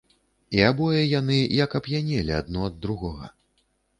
І абое яны як ап'янелі адно ад другога.